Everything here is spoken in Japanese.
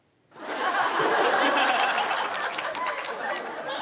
ハハハハ！